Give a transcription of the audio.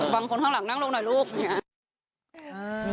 ข้างหลังนั่งลงหน่อยลูกอย่างนี้